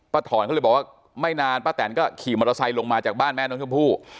ถอนเขาเลยบอกว่าไม่นานป้าแตนก็ขี่มอเตอร์ไซค์ลงมาจากบ้านแม่น้องชมพู่